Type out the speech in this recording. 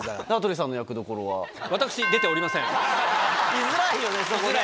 いづらいよねそこね。